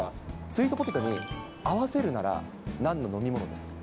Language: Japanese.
スイートポテトに合わせるなら、なんの飲み物ですか。